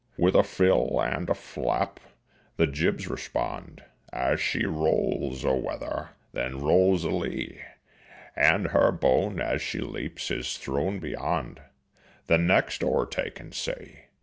With a fill and a flap the jibs respond, As she rolls a weather, then rolls a lee, And her bone as she leaps is thrown beyond The next o'ertaken sea.